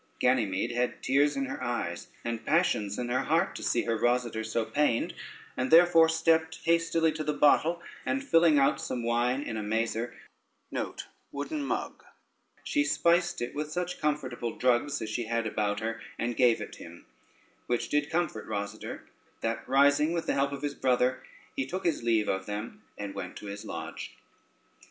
Ganymede had tears in her eyes, and passions in her heart to see her Rosader so pained, and therefore stepped hastily to the bottle, and filling out some wine in a mazer, she spiced it with such comfortable drugs as she had about her, and gave it him, which did comfort Rosader, that rising, with the help of his brother, he took his leave of them, and went to his lodge.